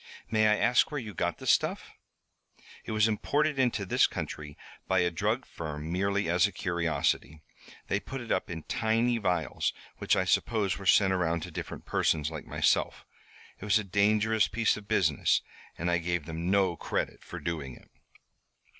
"May I ask where you got the stuff?" "It was imported into this country by a drug firm merely as a curiosity. They put it up in tiny vials which I suppose were sent around to different persons like myself. It was a dangerous piece of business and I gave them no credit for doing it."